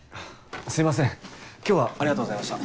すいません今日はありがとうございました。